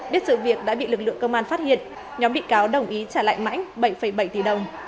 biết sự việc đã bị lực lượng công an phát hiện nhóm bị cáo đồng ý trả lại mãnh bảy bảy tỷ đồng